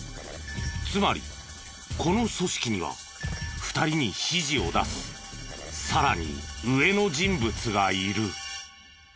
つまりこの組織には２人に指示を出すさらに上の人物がいる。